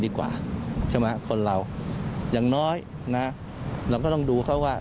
ดีกว่าใช่ไหมคนเราอย่างน้อยนะเราก็ต้องดูเขาว่า